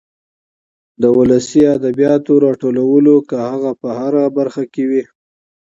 د ولسي ادبياتو راټولو که هغه په هره برخه کې وي.